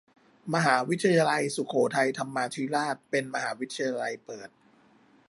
มหาวิทยาลัยสุโขทัยธรรมาธิราชเป็นมหาวิทยาลัยเปิด